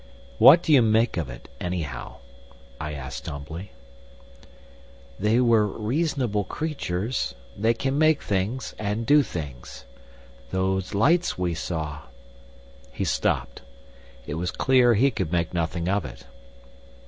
"What do you make of it, anyhow?" I asked humbly. "They are reasonable creatures—they can make things and do things. Those lights we saw..." He stopped. It was clear he could make nothing of it.